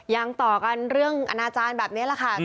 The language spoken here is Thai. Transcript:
ยังต่อกันเรื่องอนาจารย์แบบนี้แหละค่ะ